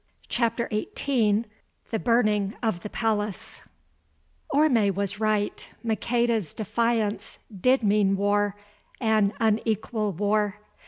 CHAPTER XVIII. THE BURNING OF THE PALACE Orme was right. Maqueda's defiance did mean war, "an unequal war."